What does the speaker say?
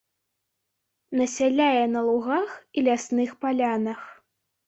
Насяляе на лугах і лясных палянах.